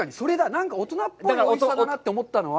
何か大人っぽいおいしさだなと思ったのは。